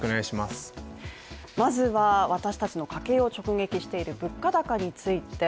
まずは私たちの家計を直撃している物価高について。